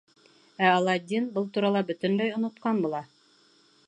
Ә Аладдин был турала бөтөнләй онотҡан була.